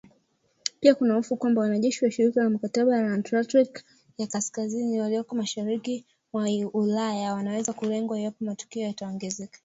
Pia kuna hofu kwamba wanajeshi wa Shirika la Mkataba wa Atlantiki ya Kaskazini walioko mashariki mwa Ulaya wanaweza kulengwa iwapo matukio yanaongezeka